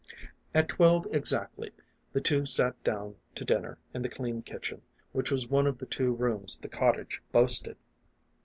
At twelve exactly the two sat down to dinner in the clean kitchen, which was one of the two rooms the cottage boasted.